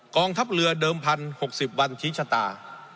กองทัพเรือเดิมพันหกสิบวันฮิชชะตา